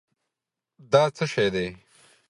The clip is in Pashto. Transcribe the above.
دا څه شی دی؟